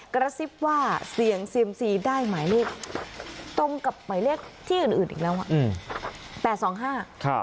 กระซิบว่าเสี่ยงเซียมซีได้หมายเลขตรงกับหมายเลขที่อื่นอื่นอีกแล้วอ่ะอืม